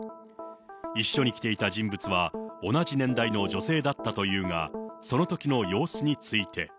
一緒に来ていた人物は同じ年代の女性だったというが、そのときの様子について。